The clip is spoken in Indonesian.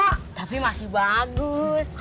otopet lama tapi masih bagus